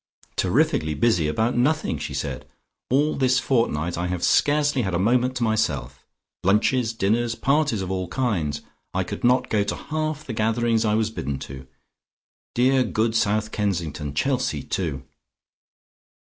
"Terrifically busy about nothing," she said. "All this fortnight I have scarcely had a moment to myself. Lunches, dinners, parties of all kinds; I could not go to half the gatherings I was bidden to. Dear good South Kensington! Chelsea too!"